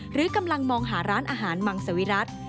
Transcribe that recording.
หรือกำลังมองหาร้านอาหารมังสวิรัติ